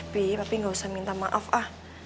pi papi gak usah minta maaf ah